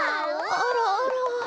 あらあら。